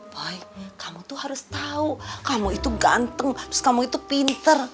boy kamu tuh harus tau kamu itu ganteng terus kamu itu pinter